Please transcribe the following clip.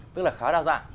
tức là khá đa dạng